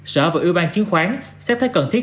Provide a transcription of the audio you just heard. sở và ưu ban chứng khoán sẽ thấy cần thiết